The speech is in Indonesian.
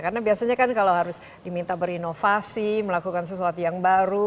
karena biasanya kan kalau harus diminta berinovasi melakukan sesuatu yang baru